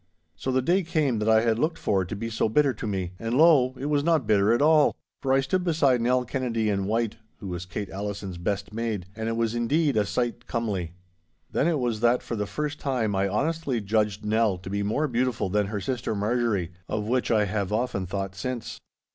So the day came that I had looked for to be so bitter to me, and lo! it was not bitter at all; for I stood beside Nell Kennedy in white, who was Kate Allison's best maid, and it was indeed a sight comely. Then it was that for the first time I honestly judged Nell to be more beautiful than her sister Marjorie, of which I have often thought since.